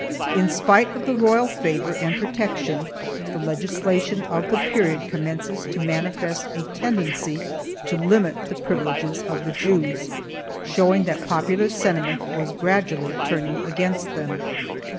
1 In spite of the royal favor and protection, the legislation of the period commences to manifest a tendency to limit the privi leges of the Jews, showing that popular sentiment was gradually turning against them.